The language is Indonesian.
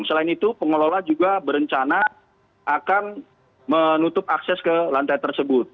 selain itu pengelola juga berencana akan menutup akses ke lantai tersebut